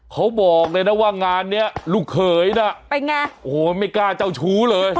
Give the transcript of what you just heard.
เขาบอกเลยนะว่างานเนี้ยลูกเขยน่ะเป็นไงโอ้โหไม่กล้าเจ้าชู้เลย